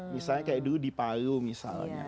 misalnya kayak dulu di palu misalnya